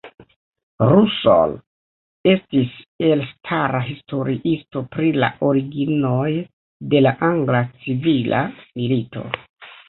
Russell estis elstara historiisto pri la originoj de la Angla Civila Milito.